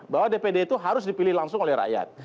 bahwa dpd itu harus dipilih langsung oleh rakyat